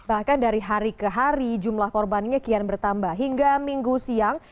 bahkan dari hari ke hari jumlah korbannya kian bertambah hingga minggu siang